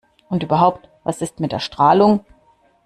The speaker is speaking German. Und überhaupt: Was ist mit der Strahlung?